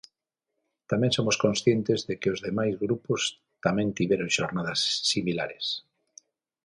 Tamén somos conscientes de que os demais grupos tamén tiveron xornadas similares.